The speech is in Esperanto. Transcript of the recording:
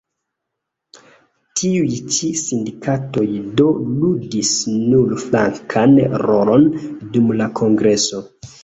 Tiuj ĉi sindikatoj do ludis nur flankan rolon dum la kongreso.